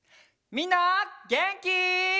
みんなげんき？